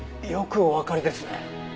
よくおわかりですね。